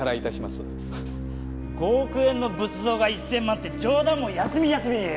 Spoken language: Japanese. ハッ５億円の仏像が１０００万って冗談も休み休み言え！